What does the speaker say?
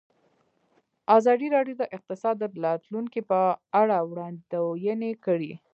ازادي راډیو د اقتصاد د راتلونکې په اړه وړاندوینې کړې.